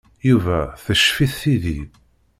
Yuba teccef-it tidi.